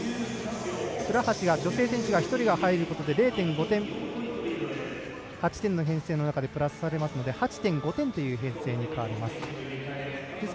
倉橋、女性選手が１人入ることで０．５点８点の編成の中でプラスされますので、８．５点という編成に変わります。